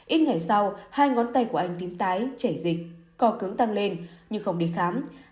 ít ngày sau hai ngón tay của anh tím tái chảy dịch cò cứng tăng lên nhưng không đi khám